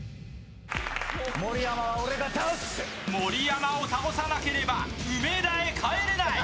盛山を倒さなければ梅田へ帰れない。